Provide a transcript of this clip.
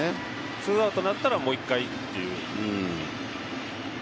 ツーアウトになったらもう一回っていう。